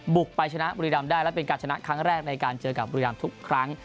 บุกไปชนะบุรีรำได้และเป็นการชนะครั้งแรกในการเจอกับบุรีรำทุกครั้ง